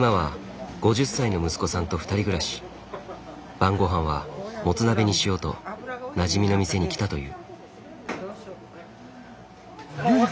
晩ごはんはもつ鍋にしようとなじみの店に来たという。